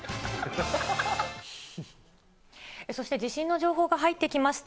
そして地震の情報が入ってきました。